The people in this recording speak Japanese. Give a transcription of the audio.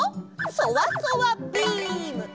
そわそわビーム！